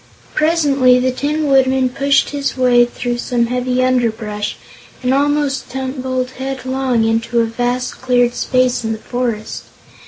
Presently the Tin Woodman pushed his way through some heavy underbrush, and almost tumbled headlong into a vast cleared space in the forest.